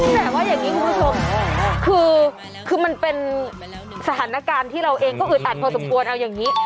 แต่ว่าอย่างนี้คุณผู้ชมคือมันเป็นสถานการณ์ที่เราเองก็อึดอัดพอสมควรเอาอย่างนี้